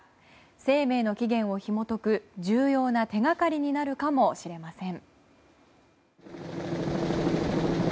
生命の起源をひも解く重要な手掛かりになるかもしれません。